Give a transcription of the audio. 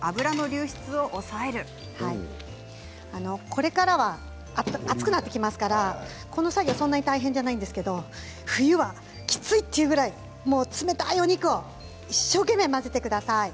これからは暑くなってきますからこの作業はそんなに大変じゃないんですけど冬は、きついというくらい冷たいお肉を一生懸命混ぜてください。